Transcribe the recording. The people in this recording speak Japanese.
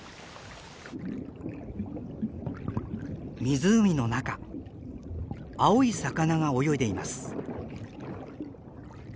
湖の中青い魚が泳いでいます。